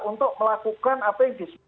untuk melakukan apa yang disebut